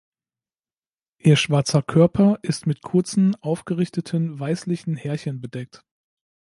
Ihr schwarzer Körper ist mit kurzen aufgerichteten weißlichen Härchen bedeckt.